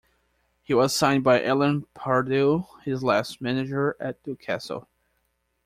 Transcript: He was signed by Alan Pardew, his last manager at Newcastle.